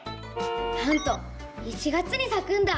なんと１月にさくんだ。